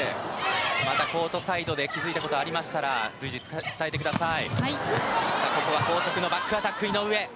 コートサイドでまた気づいたことがありましたら随時、伝えてください。